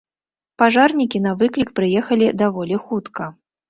Пажарнікі на выклік прыехалі даволі хутка.